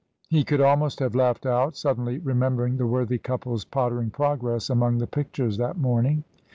He could almost have laughed out, suddenly re membering the worthy couple's pottering progress among the pictures that morning.